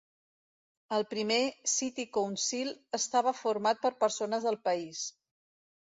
El primer City Council estava format per persones del país.